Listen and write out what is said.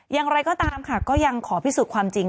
อย่างไรก็ตามค่ะก็ยังขอพิสูจน์ความจริง